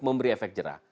memberi efek jerah